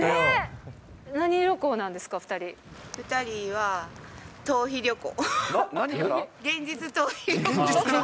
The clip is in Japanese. ２人は、逃避旅行。